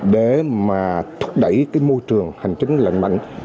để mà thúc đẩy cái môi trường hành chính lành mạnh